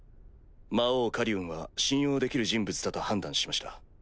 魔王カリオンは信用できる人物だと判断しました。